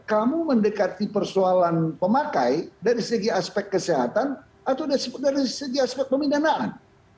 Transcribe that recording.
kamu mendekati persoalan pemakai dari segi aspek kesehatan atau dari segi aspek pemindanaan